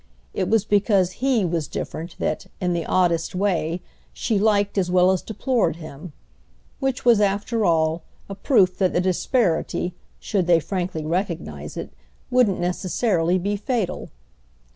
It was because he was different that, in the oddest way, she liked as well as deplored him; which was after all a proof that the disparity, should they frankly recognise it, wouldn't necessarily be fatal.